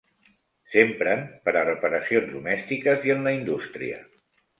S'empren per a reparacions domèstiques i en la indústria.